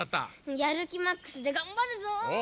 やるきマックスでがんばるぞ！